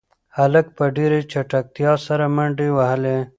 هلک په ډېرې چټکتیا سره منډې وهلې.